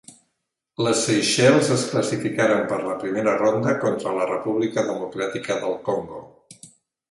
Les Seychelles es classificaren per a la primera ronda contra la República Democràtica del Congo.